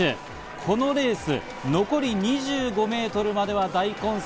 このレース、残り２５ｍまでは大混戦。